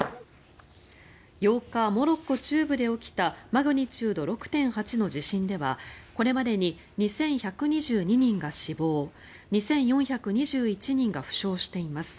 ８日、モロッコ中部で起きたマグニチュード６．８の地震ではこれまでに２１２２人が死亡２４２１人が負傷しています。